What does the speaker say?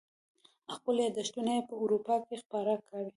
خپل یاداشتونه یې په اروپا کې خپاره کړي.